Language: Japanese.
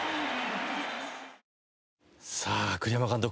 さあ栗山監督